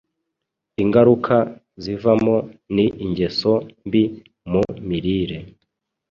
Ingaruka zivamo ni ingeso mbi mu mirire,